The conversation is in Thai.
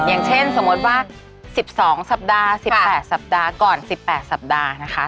อย่างเช่นสมมุติว่า๑๒สัปดาห์๑๘สัปดาห์ก่อน๑๘สัปดาห์นะคะ